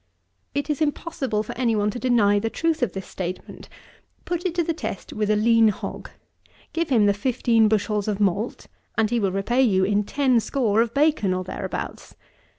30. It is impossible for any one to deny the truth of this statement. Put it to the test with a lean hog: give him the fifteen bushels of malt, and he will repay you in ten score of bacon or thereabouts.